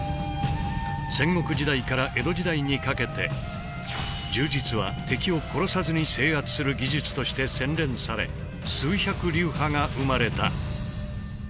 戦国時代から江戸時代にかけて柔術は敵を殺さずに制圧する技術として洗練され数百流派が生まれた。